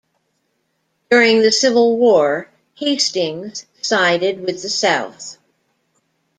During the Civil War, Hastings sided with the South.